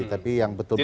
tapi yang betul betul